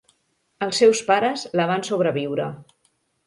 Els seus pares la van sobreviure.